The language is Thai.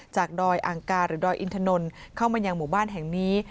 ดอยอังกาหรือดอยอินถนนเข้ามายังหมู่บ้านแห่งนี้